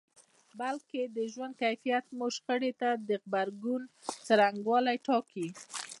بلکې د ژوند کيفیت مو شخړې ته د غبرګون څرنګوالی ټاکي.